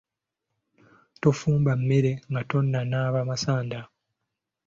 Tofumba mmere nga tonnanaaba masanda.